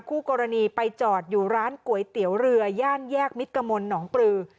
คู่กรณีไปจอดอยู่ร้านก๋วยเตี๋ยวเรือย่านแยกมิตกมลหนองปลือ